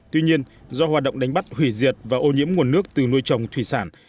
tuy nhiên do hoạt động đánh bắt hủy diệt và ô nhiễm nguồn nước từ nuôi trồng thủy sản